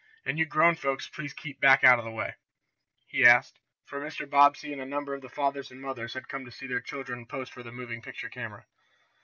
And you grown folks please keep back out of the way," he asked, for Mrs. Bobbsey and a number of the fathers and mothers had come to see their children pose for the moving picture camera.